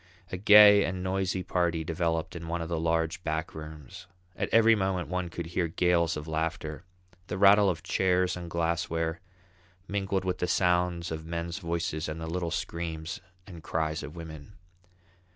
A gay and noisy party developed in one of the large back rooms; at every moment one could hear gales of laughter, the rattle of chairs and glassware, mingled with the sounds of men's voices and the little screams and cries of women.